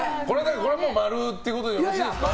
これは○ってことでよろしいですか？